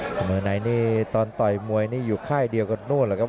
เสมอไหนนี่ตอนต่อยมวยนี่อยู่ค่ายเดียวกับนู่นแหละครับ